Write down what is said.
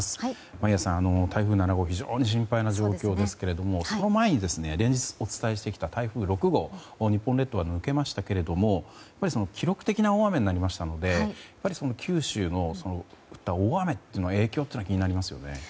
眞家さん、台風７号は非常に心配な状況ですけれどもその前に、連日お伝えしてきた台風６号日本列島は抜けましたが記録的な大雨になりましたので九州での大雨の影響が気になりますよね。